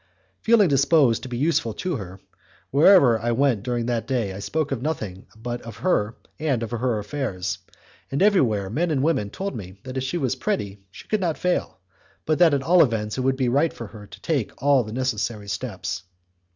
Feeling disposed to be useful to her, wherever I went during that day I spoke of nothing but of her and of her affairs; and everywhere men and women told me that if she was pretty she could not fail, but that at all events it would be right for her to take all necessary steps.